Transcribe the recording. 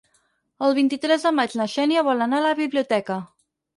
El vint-i-tres de maig na Xènia vol anar a la biblioteca.